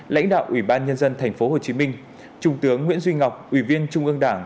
lãnh đạo ủy ban nhân dân tp hcm trung tướng nguyễn duy ngọc ủy viên trung ương đảng